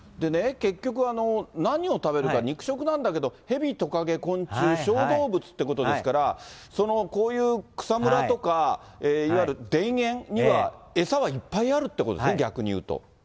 結局、何を食べるか、肉食なんだけど、ヘビ、トカゲ、昆虫、小動物ということですから、こういう草むらとか、いわゆる田園には、餌はいっぱいあるってことですね、逆に言うと。